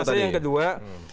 nah saya yang kedua